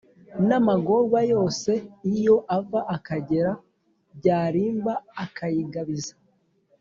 n' amagorwa yose iyo ava akagera, byarimba akayigabiza